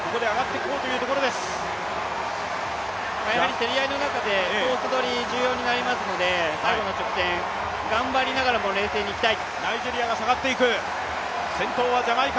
競り合いの中でコースどり、重要になりますので最後の直線頑張りながらも冷静に行きたい。